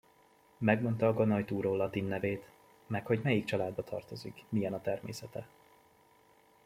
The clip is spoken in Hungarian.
Megmondta a ganajtúró latin nevét, meg hogy melyik családba tartozik, milyen a természete.